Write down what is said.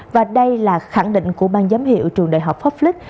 và đây là khẳng định của bang giám hiệu trường đại học hockflick